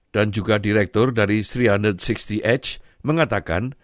dan juga direktur dari tiga ratus enam puluh h mengatakan